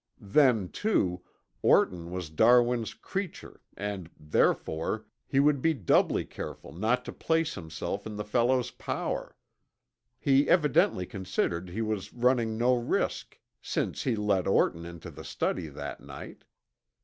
Then, too, Orton was Darwin's creature and, therefore, he would be doubly careful not to place himself in the fellow's power. He evidently considered he was running no risk, since he let Orton into the study that night.